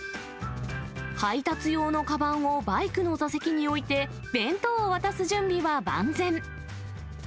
配達用のかばんをバイクの座席に置いて、弁当を渡す準備は万全。